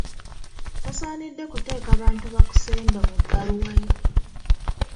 Tosaanidde kuteeka bantu bakusemba mu bbaluwa yo.